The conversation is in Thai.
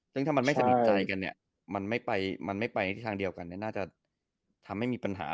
ซึ่งถ้ามันไม่สนิทใจกันเนี่ยมันไม่ไปที่ทางเดียวกันน่าจะทำให้มีปัญหา